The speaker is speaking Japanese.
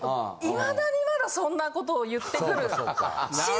未だにまだそんなことを言ってくる。